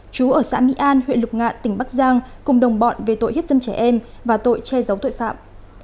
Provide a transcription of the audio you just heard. chú ở xã mỹ an huyện lục ngạn tỉnh bắc giang cùng đồng bọn về tội hiếp dâm trẻ em và tội che giấu tội phạm